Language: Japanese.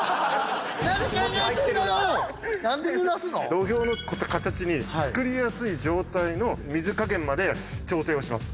土俵の形に作りやすい状態の水加減まで調整をします。